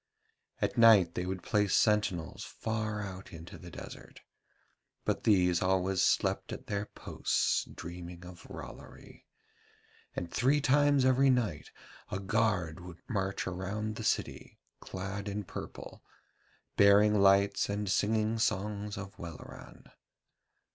At night they would place sentinels far out in the desert, but these always slept at their posts dreaming of Rollory, and three times every night a guard would march around the city clad in purple, bearing lights and singing songs of Welleran.